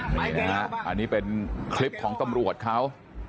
นี่นะฮะอันนี้เป็นคลิปของตำรวจเขา